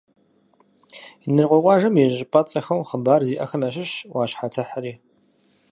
Инарыкъуей къуажэм и щӏыпӏэцӏэхэу хъыбар зиӏэхэм ящыщщ «ӏуащхьэтыхьри».